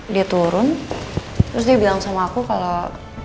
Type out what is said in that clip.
dia turun terus dia bilang sama aku kalau